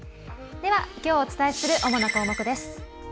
では、きょうお伝えする主な項目です。